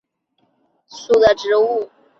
楝叶吴萸为芸香科吴茱萸属的植物。